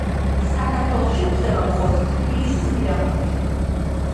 საქართველოში გვხვდება მხოლოდ თბილისის მიდამოებში.